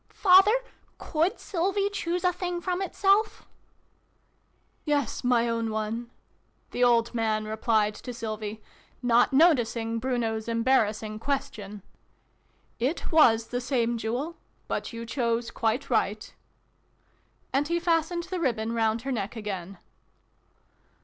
" Father, could Sylvie choose a thing from itself ?"" Yes, my own one," the old man replied to Sylvie, not noticing Bruno's embarrassing question, "it was the same Jewel but you chose quite right." And he fastened the ribbon round her neck again.